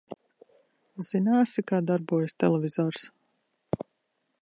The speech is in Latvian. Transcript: Zināsi, kā darbojas televizors?